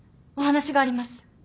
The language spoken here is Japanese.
お話があります。